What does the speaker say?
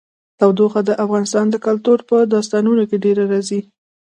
تودوخه د افغان کلتور په داستانونو کې ډېره راځي.